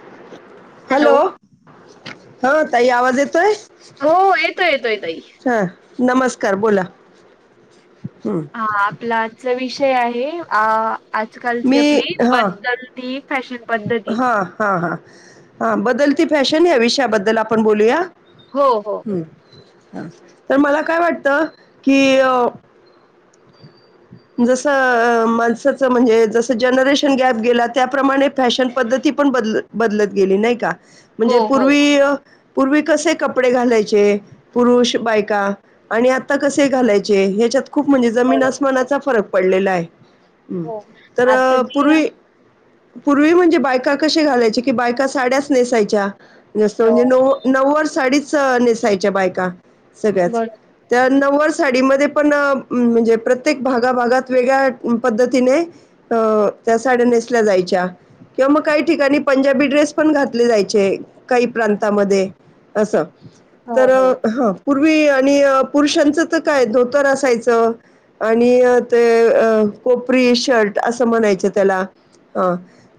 [inaudible] Hello हो ताई आवाज येतोय. हो येतो येतोय ताई हा नमस्कार बोला हं. हा आपला आजचा विष आहे अ मी हा फॅशन पद्धती. हा हा हा हा बदल फॅशन या विषयाबद्दल आपण बोलूया. हो हो ह तर मला काय वाटतं की अ जस अ माणसाच म्हणजे जस जनरेशन गॅप गेला त्याप्रमाणे फॅशन पद्धती पण बद बदलत गेली नाही का हो म्हणजे हो. पूर्वी पूर्वी कसे कपडे घालायचे पुरुष बायका आणि आता कसे घालायचे ह्याच्यात खूप म्हणजे ज बरोबर फरक पडलेला आहे हम् हो तर आताची पूर्वी पूर्वी म्हणजे बायका कशी घालायची कि बायका साड्यास नेसायच्या जसं हो म्हणजे न नव्व साडी च नेसायच्या बायका सगळ्याच बरोबर त्या नव्व साडीमध्ये पण म्हणजे प्र प्रत्येक भागा भागात वेगळ्या पद्धतीने अ त्या साड्या नेसल्या जायच्या किंवा मग काही ठिकाणी पंजाबी ड्रेस पण घातले जायचे काही प्रांतामध्ये असं हो तर हो. हा पूर्वी आणि पुरुषांचं तर काय धोतर असायचं आणि ते कोपरी शर्ट असं म्हणायचं त्याला अ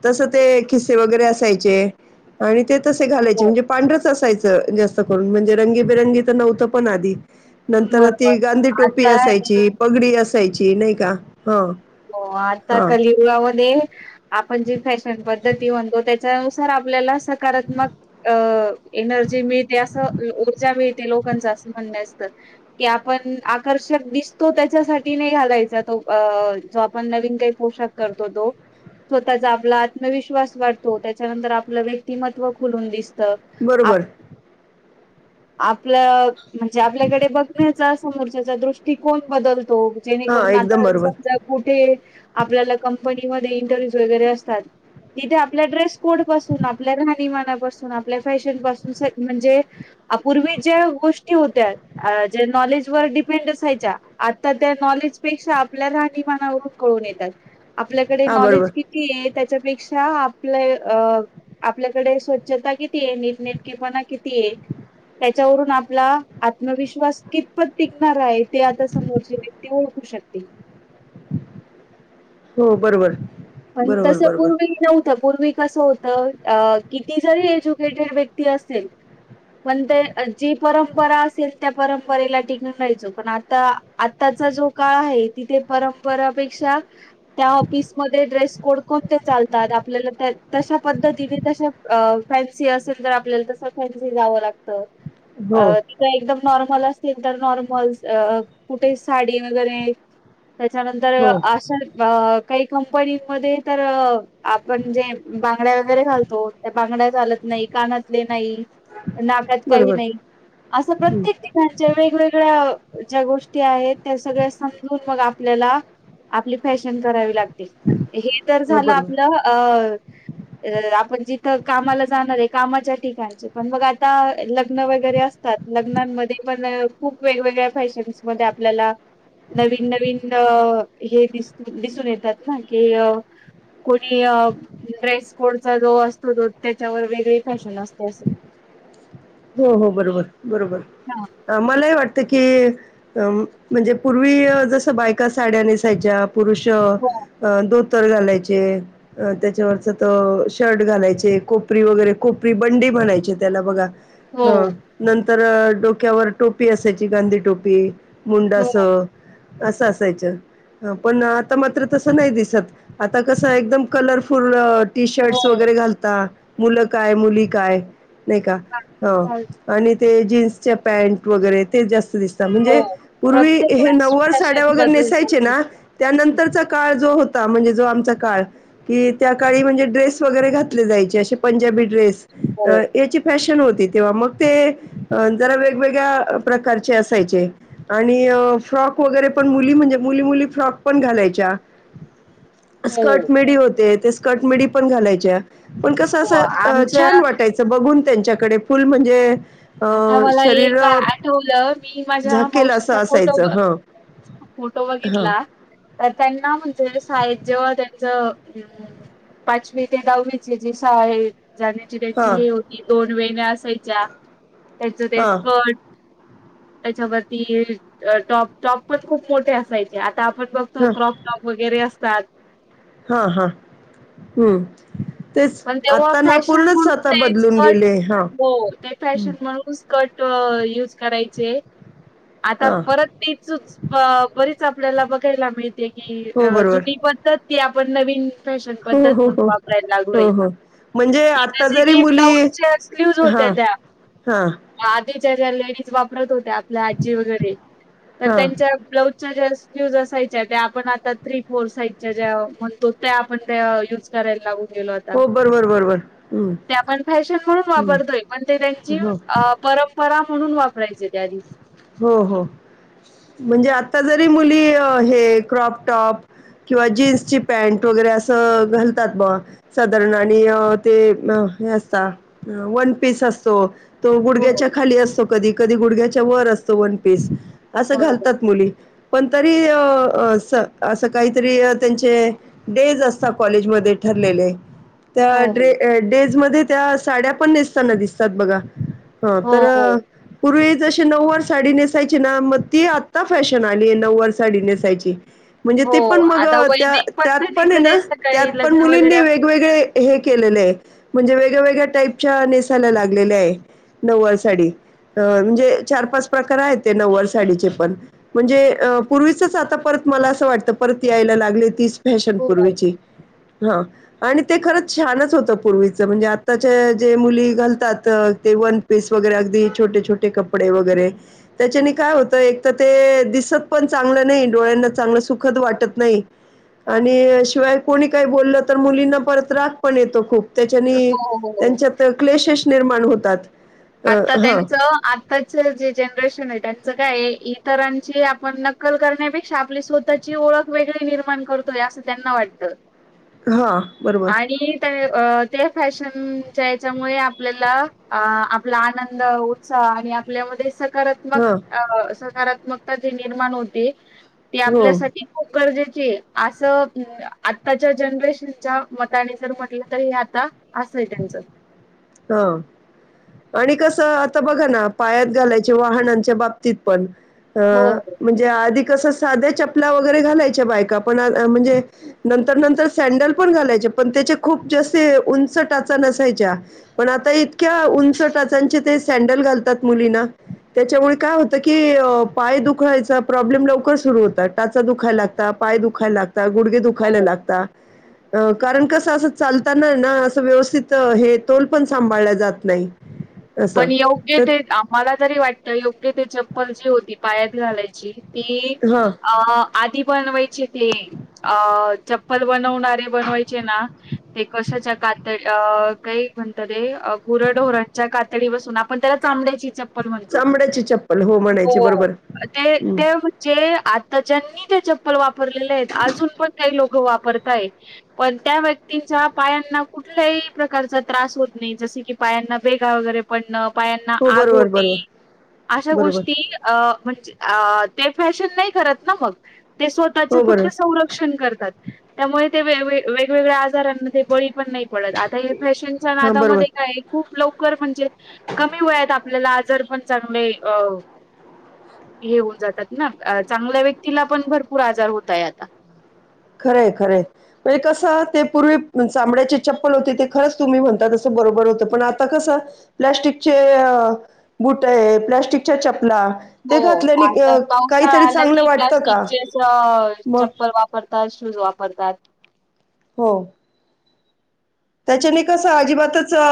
तस ते खिस्से वगैरे असायचे आणि ते तसे घालायचे हो. म्हणजे पांढरच असाचं जास्त करून म्हणजे रंगी बिरंगी तर नव्हतं पण आधी नंतर बरोबर ती गांधी टोपी आता असायची असायची नाही का हां, हो आता हां. कलियुगामध्ये आपण जी फॅशन पद्धती म्हणतो त्या त्यानुसार आपल्याला सकारात्मक अ एनर्जी मिळते असं ऊर्जा मिळते लोकांच असं म्हणण्यास की आपण आकर्षक दिसतो त्याच्यासाठी नाही घालायचा तो अ जो आपण नवीन काही पोशाख करतो तो स्वतःचा आपला आत्मविश्वास वाटतो त्याच्यानंतर आपलं व्यक्तिमत्व खुलून दिसतो तर आप बरोबर. आपलं म्हणजे आपल्याकडे बघण्याचा समोरच्या दृष्टिकोन बदल तो हां, जेणेकरून एकदम आता बरोबर. समजा ते आपल्याल कम इंटरव्यू वगैरे असतात तिथे आपल्या ड्रेस कोड पासून आपल्या राणी मानापासून आपल्या फॅशन पासून म्हणजे पूर्वी जे गोष्टी होतात जे नॉलेज वर डिपेंड असायच्या आता त्या नॉलेज पेक्षा आपल्या राहणीमान मानावरून कळून येतात आपल्याकडे हां, बरोबर. नॉलेज किती आहे त्याच्यापेक्षा आपले अ आपल्याकडे स्वच्छता किती आहे नीटनेटकेपणा किती आहे त्याच्यावरून आपला आत्मविश्वास कितपत टिकणार आहे ते आता समोरचे व्यक्ती ओळखू शकतील हो बरोबर पण बरोबर, तस बरोबर. पूर्वी नव्हत्या पूर्वी कसं होतं अ किती जरी एज्युकेटेड व्यक्ती असेल पण ते जी परंपरा असेल त्या परंपरेला टिकून राहायचो पण आता आताचा जो काळ आहे तिथे परंपरापेक्षा त्या ऑफिसमध्ये ड्रेस कोट कोणते चालतात आपल्याला त्या तशा पद्धतीने तश्या फॅन्सी असेल तर आपल्याला तस फॅन्सी घ्यावं लागत. हो, अ तिथं एकदम नॉर्मल असेल तर नॉर्मल कुठे साडी वगैरे त्याच्यानंतर हो. अशा अ कंपनी मध्ये तर आपण जे बांगड्या वगैरे घालतो त्या बांगड्या चालत नाही कानातले नाही. नाकात काही बरोबर. नाही असं हं. प्रत्येक ठिकाणच्या वेगवेगळ्या ज्या गोष्टी आहेत त्या सगळ्या समजून मग आपल्याला आपली फॅशन करावी लागते. हे जर हो झालं बरोबर आपलं अ आपण जिथं कामाला जाणार आहे. कामाच्या ठिकाणचे पण मग आता लक लग्न वगैरे असतात लग्नांमध्ये पण खूप वेगवेगळ्या फॅशन्स मध्ये आपल्याला नवीन नवीन हे दिस दिसून येतात. होय अ कोणी अ ड्रेस कोटचा जो असतो तो त्याच्यावर वेगळी फॅशन असते अस. हो हो बरोबर बरोबर मलाही वाटत की कि म्हणजे पूर्वी जसं बायका साड्या नेसायच्या. पुरुष अ हो धोत धोतर घालायचे त्याच्यावरच त शर्ट घालायचे कोपरी वगैरे कोपरी बंडी म्हणायचे त्याला बघा. हा हो नंतर तर डोक्यावर टोपी असायची गांधी टोपी हो मुंडस. असं असायचं पण आता मात्र तसं नाही दिसत आता कसं एकदम कलरफूल्ल टी हो शर्ट्स वगैरे घालतात. मुलं काय मुली काय नाही का? हा, हो कॉल आणि ते जीन्सच्या पॅन्ट वगैरे ते जास्त दिसतात हो म्हणजे पूर्वी प्रत्येक हे वेळेस नवारी साड्या फॅशन वगैरे बदल नेसायचे झाली ना त्यानंतरचा काळ जो म्हणजे जो आमचा काळ की त्या काळी म्हणजे ड्रेस वगैरे घातले जायचे असे पंजाबी ड्रेस हो अ येची फॅशन होती. तेव्हा मग ते जरा वेगवेगळ्या प्रकारचे असायचे आणि फ्रॉक वगैरे पण मुली म्हणजे मुली मुली फ्रॉक पण घालायच्या. हो स्कर्ट मिडी होते. ते स् कटमिडी पण घालायच्या. पण कस हो असं आमच्या छान वाटायचं बघून. त्यांच्याकडे फुल म्हणजे अ, आता मला शरीर एक आठवलं मी माझ्या झाकेल असं मावशीचा फोटो असायचं बघ. हां, फोटो हां, बघितला तर त्यांना म्हणजे शाळेत जेव्हा त्यांचं हम्म पाचवी ते दहावीची जी शाळेत जाण्याची त्यांची हां, हे होती दोन वेण्या असायच्या त्यांच ते हां, स्कट त्याच्यावरती टॉप टॉप पण खूप मोठे असायचे आता आपण बघतो क्रॉप टॉप वगैरे अस सात हा हा हम्म पण तेव्हा फॅशन म्हणून ते बदलून स्कट गेले हां, हो ते हं, फॅशन म्हणून स्कट युज करायचे. आता हां, परत तेच बरीच आपल्याला बघायला मिळ ते की हो बरोबर. जुनी पद्धत ते आपण नवीन फ्‌‌शन हो, पद्धत हो, म्हण हो, वापरायला हो, लागलोय. म्हणजे की आता जसे जरी की मुली ब्लाऊजच्या स्लीव्हज हा होत्या त्या हा लेडीज वापरत होत त्या आपल्या आजी वगैरे तर हां, त्यांच्या ब्लाउज ज्या स्लिव्हज् असायच्या त्या आपण आता थ्री फोर साईजच्या ज्या म्हणतो त्या आपण त्या युज करायला लागू. गेलो आता हो बरोबर, बरोबर. हं, ते आपण फॅशन म्हणून हं, वापरतोय पण ते त्यांची हो, परंप, बरा म्हणून वापरायचे हो हो म्हणजे आ आता जरी मुली हे क्रॉप टॉप किंवा जीन्सची पॅन्ट वगैरे असं घालतात म साधारण आणि ते हे असत वन पीस असतो. तो हो, हो. गुडग्याच्या खाली असतो कधी कधी गुडघ्याच्या वर असतो वन पीस. असं बरोबर. घालतात मुली पण तरी असं काहीतरी त्यांचे डेज असतात कॉलेजमध्ये ठरलेले. हो, त्या हो. डेजमध्येध्ये त्या साड्या पन नेसताना दिसतात बघा हा हो, तर हो. पूर्वी जशी नऊवार साडी नेसायची ना, मग ती आत्ता फॅशन आली आहे नऊवार साडी नेसायची. म्हणजे हो ते पण मग आता त्या वैदिक त्यात पण आहे पद्धतीचं ते ना त्यात सकाळी पण लग्न वगैरे मुलींनी असतं. वेगवेगळे हे केलेले आहे. म्हणजे वेगवेगळ्या टाईपच्या नेसायला लागलेल्या आहे नऊवारी साडी म्हणजे चार पाच प्रकार आहेत ते नववारी साडीचे पण म्हणजे, पूर्वीचच आता परत मला असं वाटत परत यायला लागले ती फॅशन हो, हो, पूर्वीची हा आणि ते खरंच छानच होतं पूर्वीचं म्हणजे आत्ताच्या जे मुली घालतात ते वन पीस वगैरे अगदी छोटे छोटे कप पडे वगैरे त्याच्याने काय होतं एक तर ते दिसत पण चांगलं नाही, डोळ्यांना चांगलं सुखद वाटत नाही आणि शिवाय कोणी काही बोललं तर मुलींना परत राग पण येतो खूप. त्याच्यानी हो, हो, हो. त्यांच्यात क्लेशश निर्माण होत तात. आता त्यांचं आता ताच जे जनरेशन आहे त्यांचं काय इतरांची आपण नक्कल करण्यापेक्षा आपली स्वतःची ओळख वेगळी निर्माण करतोय असं त्यांना वाटत. हां, बरोबर. आणि ते अ ते फॅशनच्या याच्यामुळे आपल्याला आपला आनंद उत्साह आणि आपल्यामध्ये सग सकारात्मक हां. अ सकारा त्मक निर्माण होते. ते हो. आपल्यासाठी खूप गरजेची असं आताच्या जनरेशनच्या मताने जर म्हटलं तर हे आता असय त्यांच. हा आणि कसं आता बघा ना पायात घालायचे वाहनांच्या बाबतीत पण अ हो हो म्हणजे आधिक कस साध्या चपल्या वगैरे घालायच्या, बायका पण म्हणजे नंतर नंतर सँडल पण घालायच्या पण त्याच्या खूप जास्त उंच टाचा नसायच्या. पण आता इतक्या उंच टाचांचे ते सँडल घालतात मुलींना त्याच्यामुळे काय होतं की पाय दुखायचा प्रॉब्लेम लवकर सुरु होतात, टाचा दुखायला लागतात, पाय दुखायला लागत गुडगे दुखायला हो. लागतात. अ कारण कसं असं चालताना ना असं व्यवस्थित हे तोल पण सांभाळ जात नाही. असं पण योग्य तर ते आम्हाला जरी वाटत योग्य ते चप्पल जी होती पायात घालायची. ती हा अ आधी बनवायचे ते अ चप्पल बनवणारे बनवायचे ना ते कशाच्या कात काही म्हणतात ते गुराढोऱ्यांच्या कात तडी पासून आपण त्याला चांमड्याची चप् प्पल म्हणतो. चांबड्याची चप्पल हो म्हणायची हो बरोबर ते हं. जे आताच्या ते चपल वाप रलेले आहेत अजून पण काही लोक वा परताहेत. पण त्या व्यक्तींच्या पायांना कुठल्याही प्रकारचा त्रास होत नाही जस की पायांना भेगा वगैरे पण पायांना हो आग बरोबर होणे बरोबर अशा बरोबर गोष्टी अ म्हणजे अ ते फॅशन नाही करत ना मग. ते स्वतःच हो फक्त बरोबर संरक्षण करतात त्यामुळे. ते वेळ वे वेगवेगळ्या आजारांमध्ये बळी. पण नाही पडत आता हे फॅशनच्या हां बरोबर नादामध्ये काय खूप लवकर म्हणजे. कमी वयात आपल्याला आजार पण चांगले अ हे होऊन जातात ना चांगल्या व्यक्तीला पण भरपूर आजार होतय आता. खरंय खरंय म्हणजे कस ते पूर्वी चांमड्याचे चप्पल होते ते खरंच तुम्ही म्हणताात असं बरोबर होतं पण आता कसं प्लस्टिकचे अ बुट हे प्लास्टिकच्या चप हो आता पावसाळा काहीतरी आला चांगलं की वाटतं का? प्लास्टिकचे च अ मग चप्पल वापरता. श [unintelligible] वापरतात. हो. त्याच्याने कस अजिबातच अ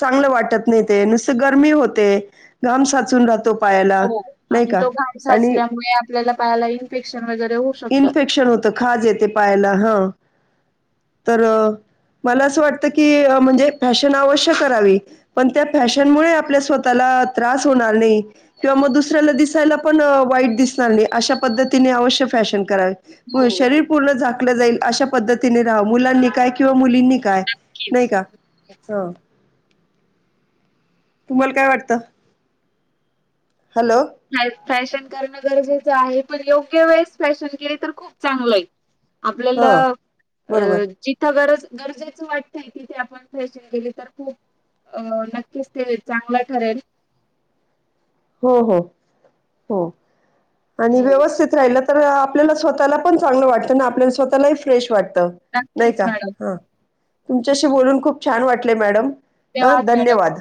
चांगलं वाटत नाही ते नुसत गरमी होते घाम साचून राहतो. पायाला, हो नाही आणि का? तो घाम आणि साचल्यामुळे आपल्याला पायाला इन्फेक्शन वगैरे होऊ शकतं. इन्फेक्शन होतं खाज येते पायाला हा. तर मला अस वाटत की म्हणजे अ फॅशन अवश्य करावी पण त्या फॅशनमुळे आपल्या स्वतःला त्रास होणार नाही किंवा मग दुसऱ्याला दिसायला पण अ वाईट दिसणार नाही अशा पद्धतीने अवश्य फॅश त्यान कराय. प हो शरीर पूर्ण झा [unintelligible] जाईल अशा पद्धतीने राहा मुलांनी काय किंवा मुलींनी काय नाही नक्कीच. का ह. तुम्हाला काय वाटतं. हॅलो. फॅशन करणं गरजेचं आहे पण योग्य वेळेस फॅशन केले तर खूप चांगलं हे. हा आपल्याला अ बरोबर जिथं गरज गरजेचं वाटत तीथे आपण फॅशन गेली तर खूप अ नक्कीच ते चांगलं ठरेल. हो हो. हो. आणि हो. व्यवस्थित राहिलं. तर आपल्याला स्वतःला पण चांगलं वाटतं ना आपल्याला स्वतःलाही फ्रेश वाटतं. त नाही नक्कीच का मॅडम ह. तुमच्याशी बोलून खूप छान वाटले मॅडम. हां तेवाद मॅडम. धन्यवाद